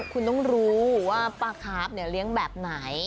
คุณต้องรู้ว่าปลาคาร์ฟเลี้ยงแบบไหน